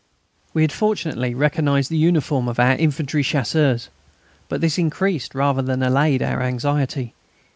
We had, fortunately, recognised the uniform of our infantry Chasseurs. But this increased rather than allayed our anxiety.